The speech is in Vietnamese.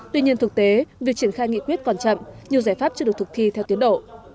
tuy nhiên thực tế việc triển khai nghị quyết còn chậm nhiều giải pháp chưa được thực thi theo tiến độ